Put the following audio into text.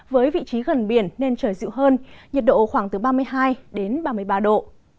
với vị trí gần biển nên trời dịu hơn nhiệt độ khoảng từ ba mươi hai đến ba mươi ba độ